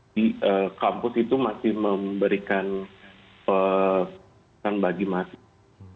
di kampus itu masih memberikan bagi mahasiswa